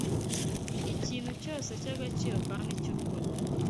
ikintu cyose cy’agaciro kandi cy’ukuri